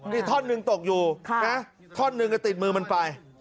นี่ท่อนหนึ่งตกอยู่นะท่อนหนึ่งก็ติดมือมันไป